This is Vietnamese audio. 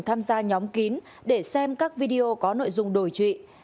thọ đã tham gia nhóm kín để xem các video có nội dung đôi trị